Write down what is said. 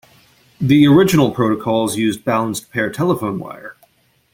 The original protocols used balanced pair telephone wire.